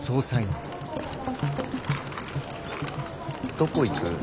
どこ行く？